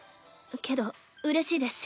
けどうれしいです。